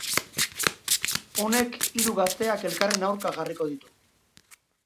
Honek hiru gazteak elkarren aurka jarriko ditu.